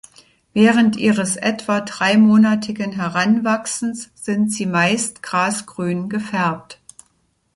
Während ihres etwa dreimonatigen Heranwachsens, sind sie meist grasgrün gefärbt.